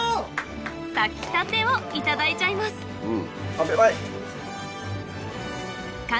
炊きたてをいただいちゃいますうん！